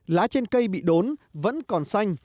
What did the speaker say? lá trên cây bị đốn vẫn còn xanh